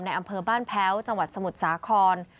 อำเภอบ้านแพ้วจังหวัดสมุทรสาคร